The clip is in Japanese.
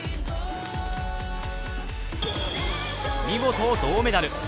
見事、銅メダル。